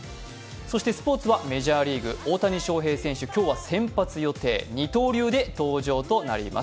そしてスポーツはメジャーリーグ、大谷翔平選手、今日は先発予定、二刀流で登場となります。